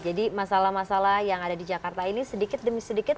jadi masalah masalah yang ada di jakarta ini sedikit demi sedikit